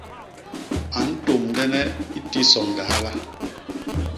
A ntômdene i tison lihala.